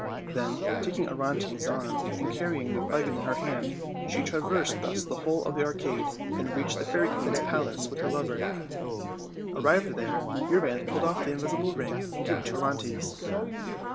Then, taking Orontes' arm and carrying the flagon in her hand, she traversed thus the whole of the arcade, and reached the fairy queen's palace with her lover. Arrived there, Euryanthe pulled off the invisible ring and gave it to Orontes.